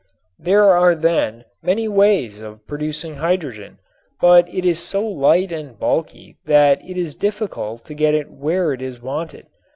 There are then many ways of producing hydrogen, but it is so light and bulky that it is difficult to get it where it is wanted.